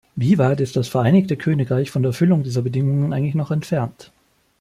Wie weit ist das Vereinigte Königreich von der Erfüllung dieser Bedingungen eigentlich noch entfernt?